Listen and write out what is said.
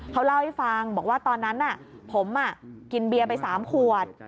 เขาเล่าให้ฟังบอกว่าตอนนั้นผมกินเบียร์ไป๓ขวด